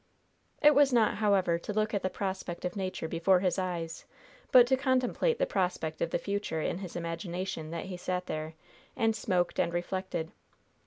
It was not, however, to look at the prospect of nature before his eyes, but to contemplate the prospect of the future in his imagination, that he sat there, and smoked and reflected.